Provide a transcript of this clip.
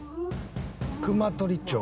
熊取町。